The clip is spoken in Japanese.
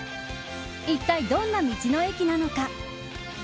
いったい、どんな道の駅なのか。